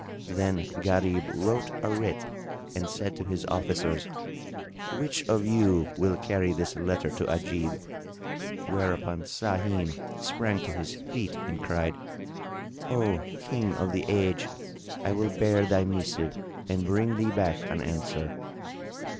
Then Gharib wrote a writ and said to his officers, "Which of you will carry this letter to Ajib?" Whereupon Sahim sprang to his feet and cried, "O King of the Age, I will bear thy missive and bring thee back an answer."